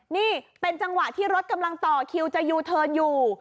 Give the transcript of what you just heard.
นี่เป็นจังหวะที่รถกำลังต่อคิวจะยูเทิร์นอยู่